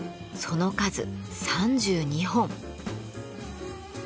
その数３２本。